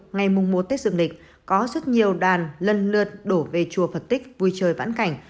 ngày mùng mùa tết dương lịch có rất nhiều đoàn lần lượt đổ về chùa vật tích vui chơi vãn cảnh